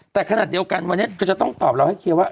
แต่ขณะเดียวกันวันนี้ก็จะต้องตอบเราให้เคลียร์ว่า